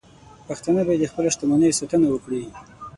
پښتانه باید د خپلو شتمنیو ساتنه وکړي.